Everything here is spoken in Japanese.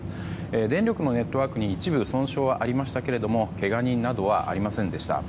電力のネットワークに一部損傷がありましたがけが人などはありませんでした。